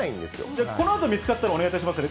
じゃあ、このあと見つかったらお願いしますね。